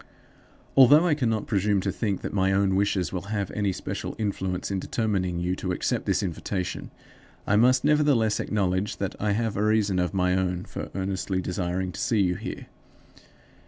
Although I cannot presume to think that my own wishes will have any special influence in determining you to accept this invitation, I must nevertheless acknowledge that I have a reason of my own for earnestly desiring to see you here.